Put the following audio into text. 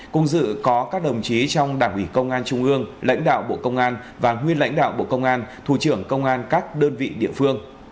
cùng dự có các đồng chí trong đảng ủy công an trung ương lãnh đạo bộ công an và nguyên lãnh đạo bộ công an thủ trưởng công an các đơn vị địa phương